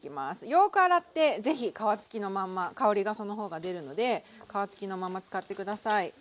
よく洗ってぜひ皮付きのまんま香りがその方が出るので皮付きのまま使って下さい。